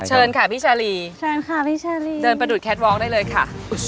เชิญค่ะพี่ชาลีเชิญค่ะพี่ชาลีเดินประดูดแคทวอล์ได้เลยค่ะ